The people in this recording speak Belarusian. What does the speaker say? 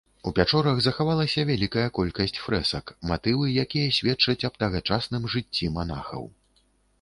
У пячорах захавалася вялікая колькасць фрэсак, матывы якія сведчаць аб тагачасным жыцці манахаў.